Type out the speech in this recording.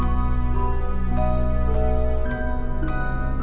ya aku mau makan